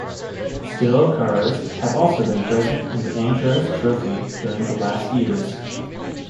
Stilo cars have also been present in the Andros Trophy during the last years.